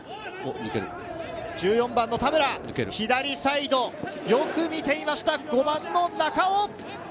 １４番の田村、左サイドよく見ていました、５番の中尾。